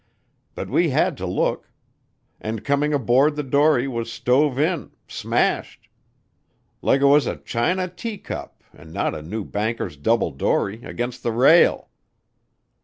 But we had to look, and coming aboard the dory was stove in smashed, like 'twas a china teacup and not a new banker's double dory, against the rail.